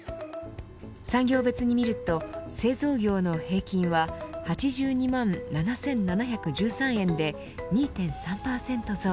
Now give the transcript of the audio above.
産業別にみると、製造業の平均は８２万７７１３円で２．３％増。